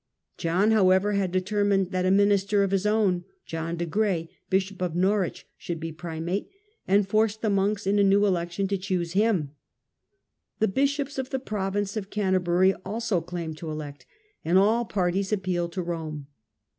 John, however, had determined toCanter that a minister of his own, John de Gray, ^^' Bishop of Norwich, should be primate, and forced the monks in a new election to choose him. The bishops of the province of Canterbury also claimed to elect, and all parties appealed to Rome.